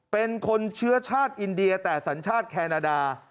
เป็นคนเชื้อชาติอินเดียแต่สัญชาติแคนาดา